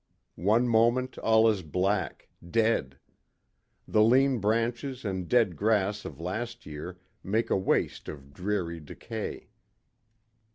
One moment all is black, dead; the lean branches and dead grass of last year make a waste of dreary decay.